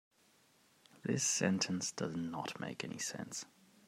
This sentence does not make any sense.